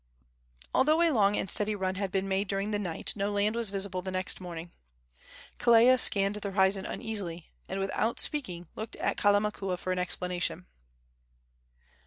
Although a long and steady run had been made during the night, no land was visible the next morning. Kelea scanned the horizon uneasily, and, without speaking, looked at Kalamakua for an explanation.